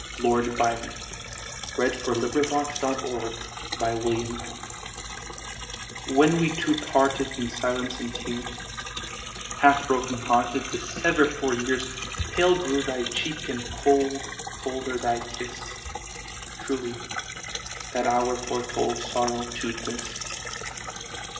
Lord Byron, (George Gordon) When We Two Parted WHEN we two parted In silence and tears, Half broken hearted To sever for years, Pale grew thy cheek and cold, Colder thy kiss; Truly that hour foretold Sorrow to this.